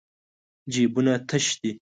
جېبونه تش دي.